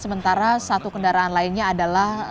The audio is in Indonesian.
sementara satu kendaraan lainnya adalah